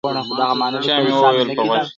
چا مي وویل په غوږ کي!.